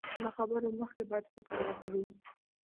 له خبرو مخکې بايد فکر وکړو.